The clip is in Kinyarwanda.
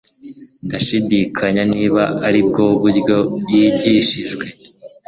ndashidikanya niba aribwo buryo yigishijwe